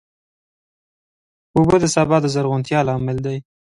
اوبه د سبا د زرغونتیا لامل دي.